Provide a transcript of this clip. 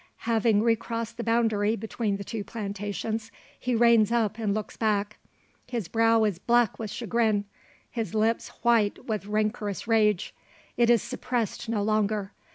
Having recrossed the boundary between the two plantations, he reins up and looks back. His brow is black with chagrin; his lips white with rancorous rage. It is suppressed no longer.